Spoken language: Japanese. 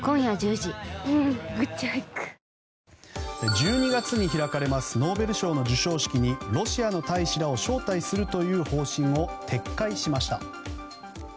１２月に開かれるノーベル賞の授賞式にロシアの大使らを招待するという方針を撤回しました。